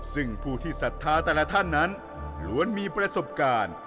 ซึ่งผู้ที่ศรัทธาแต่ละท่านนั้นล้วนมีประสบการณ์